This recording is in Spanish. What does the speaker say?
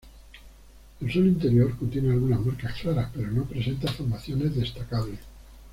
El suelo interior contiene algunas marcas claras, pero no presenta formaciones destacables.